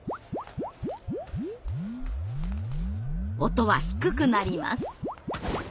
音は低くなります。